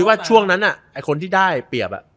อยู่ว่าช่วงนั้นนะคนที่ได้เปรียบอ่ะ